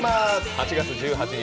８月１８日